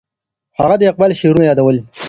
هغه د اقبال شعرونه یادول.